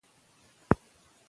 که سپین سرې وي نو دعا نه کمیږي.